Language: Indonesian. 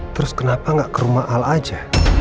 terus kenapa gak ke rumah al aja